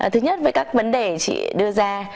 thứ nhất với các vấn đề chị đưa ra